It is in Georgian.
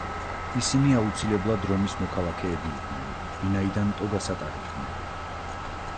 ისინი აუცილებლად რომის მოქალაქეები იყვნენ, ვინაიდან ტოგას ატარებდნენ.